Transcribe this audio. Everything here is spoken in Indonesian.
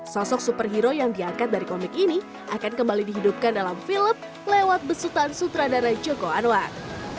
sosok superhero yang diangkat dari komik ini akan kembali dihidupkan dalam film lewat besutan sutradara joko anwar